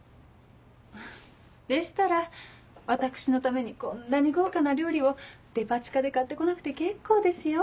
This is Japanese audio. あぁでしたら私のためにこんなに豪華な料理をデパ地下で買って来なくて結構ですよ。